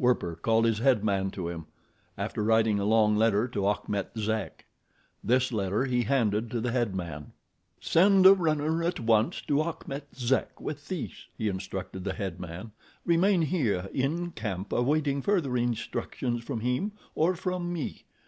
Werper called his head man to him, after writing a long letter to Achmet Zek. This letter he handed to the head man. "Send a runner at once to Achmet Zek with this," he instructed the head man. "Remain here in camp awaiting further instructions from him or from me.